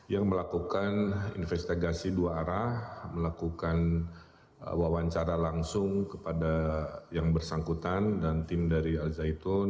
yang melakukan investigasi dua arah melakukan wawancara langsung kepada yang bersangkutan dan tim dari al zaitun